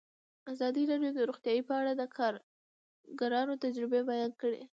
ازادي راډیو د روغتیا په اړه د کارګرانو تجربې بیان کړي.